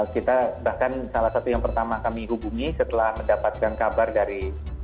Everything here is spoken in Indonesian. kita bahkan salah satu yang pertama kami hubungi setelah mendapatkan kabar dari